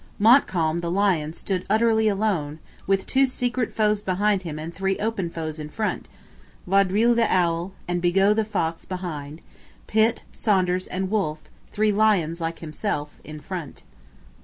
Montcalm the lion stood utterly alone, with two secret foes behind him and three open foes in front Vaudreuil the owl, and Bigot the fox, behind; Pitt, Saunders and Wolfe, three lions like himself, in front.